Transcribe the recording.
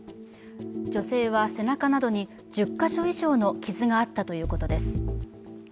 女性は背中などに１０カ所以上の傷があったということです。